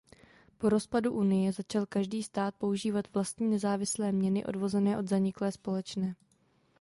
Po rozpadu unie začal každý stát používat vlastní nezávislé měny odvozené od zaniklé společné.